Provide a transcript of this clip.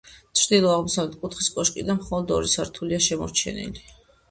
ჩრდილო-აღმოსავლეთ კუთხის კოშკიდან მხოლოდ ორი სართულია შემორჩენილი.